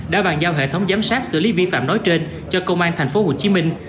đã bàn giao hệ thống giám sát xử lý vi phạm nói trên cho công an tp hcm